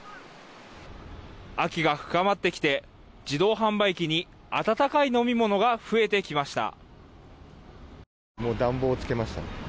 秋が深まってきて自動販売機に温かい飲み物が増えてきました。